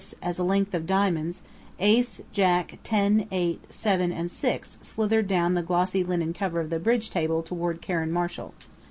as a length of Diamonds Ace, Jack, ten, eight, seven and six slithered down the glossy linen cover of the bridge table toward Karen Marshall.